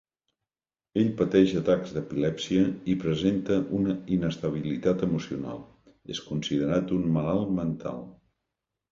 Ell pateix atacs d'epilèpsia i presenta una inestabilitat emocional; és considerat un malalt mental.